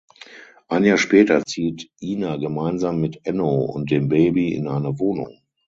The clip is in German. Ein Jahr später zieht Ina gemeinsam mit Enno und dem Baby in eine Wohnung.